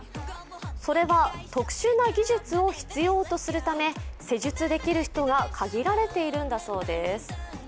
それは特殊な技術を必要とするため、施術できる人が限られているんだそうです。